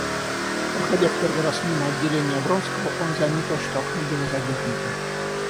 Проходя в первый раз мимо отделения Вронского, он заметил, что окно было задернуто.